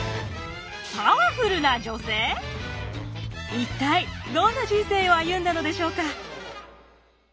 一体どんな人生を歩んだのでしょうか？